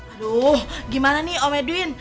aduh gimana nih om edwin